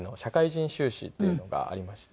社会人修士っていうのがありまして。